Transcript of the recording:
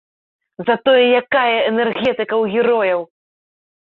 Затое якая энергетыка ў герояў!